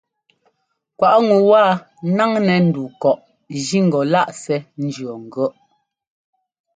Kwaꞌ ŋu wa ńnáŋnɛ́ ndu kɔꞌ jí ŋgɔ láꞌ sɛ́ ńjʉɔ́ŋgʉ̈ɔ́ꞌ.